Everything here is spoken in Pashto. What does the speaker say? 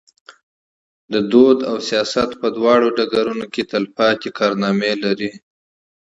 د فرهنګ او سیاست په دواړو ډګرونو کې تلپاتې کارنامې لري.